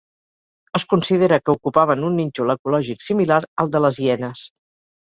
Es considera que ocupaven un nínxol ecològic similar al de les hienes.